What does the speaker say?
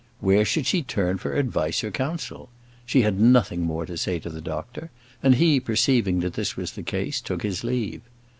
Where should she turn for advice or counsel? She had nothing more to say to the doctor; and he, perceiving that this was the case, took his leave.